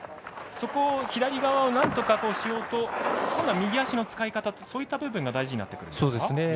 その左側をなんとかしようと右足の使い方、そういった部分が大事になってくるんですか？